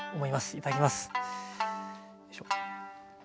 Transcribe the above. いただきます。